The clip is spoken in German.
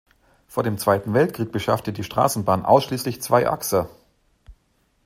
Vor dem Zweiten Weltkrieg beschaffte die Straßenbahn ausschließlich Zweiachser.